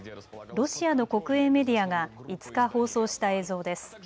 ロシアの国営メディアが５日、放送した映像です。